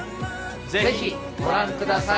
ぜひご覧ください！